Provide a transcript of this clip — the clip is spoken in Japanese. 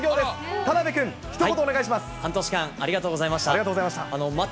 田辺君、半年間ありがとうございました。